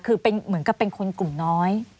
คือเหมือนกับเป็นคนกลุ่มน้อย